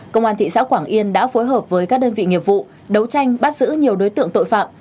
công an thị xã quảng yên đã phối hợp với các đơn vị nghiệp vụ đấu tranh bắt giữ nhiều đối tượng tội phạm